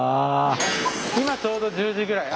今ちょうど１０時ぐらい。